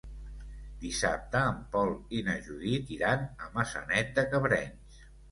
Dissabte en Pol i na Judit iran a Maçanet de Cabrenys.